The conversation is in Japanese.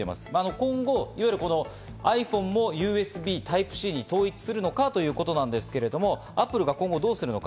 今後、ｉＰｈｏｎｅもＵＳＢタイプＣに統一するのかということなんですけど、Ａｐｐｌｅが今後、どうするのか。